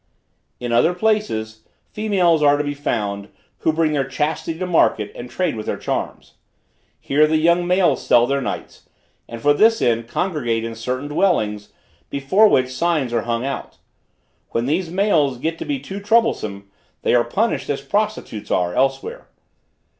In other places, females are to be found, who bring their chastity to market and trade with their charms. Here the young males sell their nights, and for this end congregate in certain dwellings, before which signs are hung out. When these males get to be too troublesome, they are punished as prostitutes are, elsewhere.